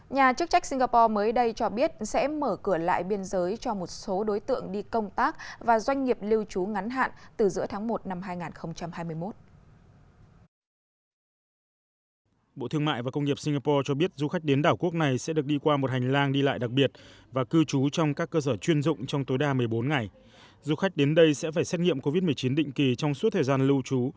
nhà chức trách singapore mới đây cho biết sẽ mở cửa lại biên giới cho một số đối tượng đi công tác